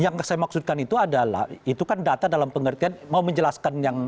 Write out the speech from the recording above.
yang saya maksudkan itu adalah itu kan data dalam pengertian mau menjelaskan yang